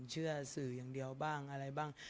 เชื่อสื่ออย่างเดียวบ้างอะไรบ้าง